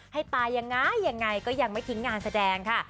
ให้ปายังไงก็ยังไม่ทิ้งงานแสดงค่ะ